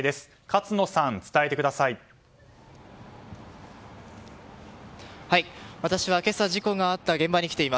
勝野さん、伝えてください。